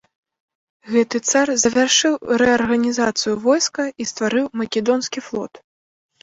Гэты цар завяршыў рэарганізацыю войска і стварыў македонскі флот.